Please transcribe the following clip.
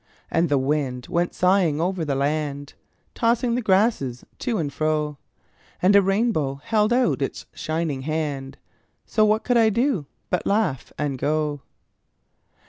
And the wind went sighing over the land, Tossing the grasses to and fro, And a rainbow held out its shining hand So what could I do but laugh and go?